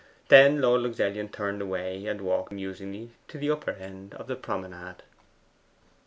Then Lord Luxellian turned away, and walked musingly to the upper end of the promenade.